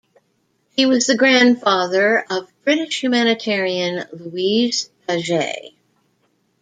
He was the grandfather of British humanitarian Louise Paget.